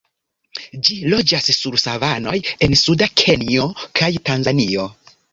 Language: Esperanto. Ĝi loĝas sur savanoj en suda Kenjo kaj Tanzanio.